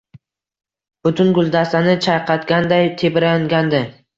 Butun guldastani chayqatganday tebrangandi.